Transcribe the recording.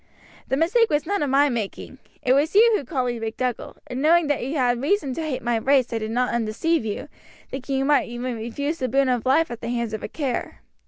The mistake was none of my making; it was you called me MacDougall; and knowing that you had reason to hate my race I did not undeceive you, thinking you might even refuse the boon of life at the hands of a Kerr.